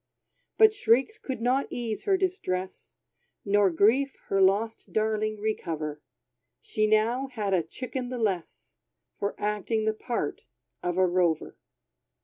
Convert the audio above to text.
But shrieks could not ease her distress, Nor grief her lost darling recover. She now had a chicken the less, For acting the part of a rover.